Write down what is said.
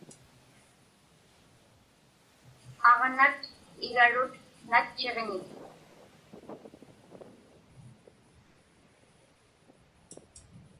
Aġnat igarut natchiġñik.